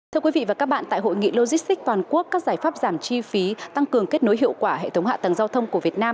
thưa quý vị và các bạn tại hội nghị logistics toàn quốc các giải pháp giảm chi phí tăng cường kết nối hiệu quả hệ thống hạ tầng giao thông của việt nam